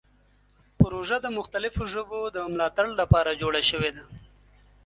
پروژه د مختلفو ژبو د ملاتړ لپاره جوړه شوې ده.